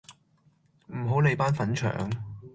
唔好理班粉腸